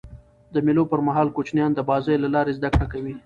د مېلو پر مهال کوچنيان د بازيو له لاري زدهکړه کوي.